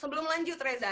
sebelum lanjut reza